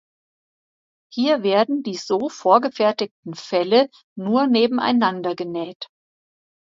Hier werden die so vorgefertigten Felle nur nebeneinander genäht.